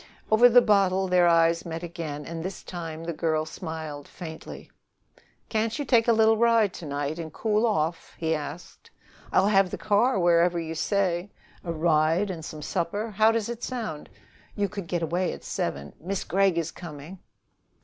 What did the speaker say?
Over the bottle their eyes met again, and this time the girl smiled faintly. "Can't you take a little ride to night and cool off? I'll have the car wherever you say. A ride and some supper how does it sound? You could get away at seven " "Miss Gregg is coming!"